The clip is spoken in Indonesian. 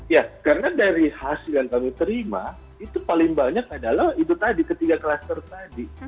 ya karena dari hasil yang kami terima itu paling banyak adalah itu tadi ketiga klaster tadi